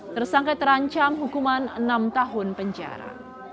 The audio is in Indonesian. tersangka terancam hukuman enam tahun penjara